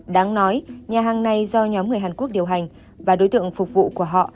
đáng nói nhà hàng này do nhóm người hàn quốc điều hành và đối tượng phục vụ của họ